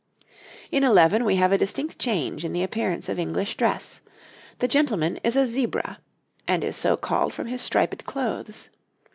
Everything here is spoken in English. In eleven we have a distinct change in the appearance of English dress. The gentleman is a Zebra, and is so called from his striped clothes.